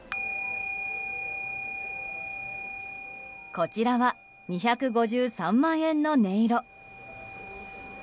こちらは２５３万円の音色。